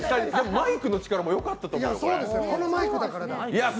マイクの力もよかったと思います。